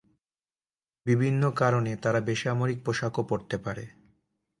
বিভিন্ন কারণে তারা বেসামরিক পোশাকও পরতে পারে।